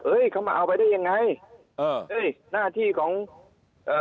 เขามาเอาไปได้ยังไงเออเอ้ยหน้าที่ของเอ่อ